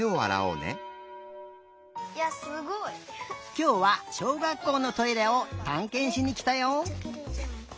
きょうはしょうがっこうのトイレをたんけんしにきたよ。